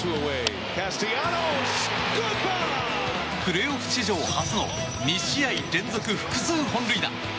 プレーオフ史上初の２試合連続複数本塁打。